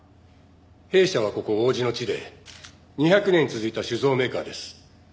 弊社はここ王子の地で２００年続いた酒造メーカーです。